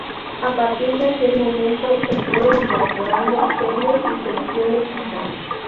A partir de aquel momento, se fueron incorporando series y secciones fijas.